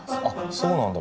そうなんだ。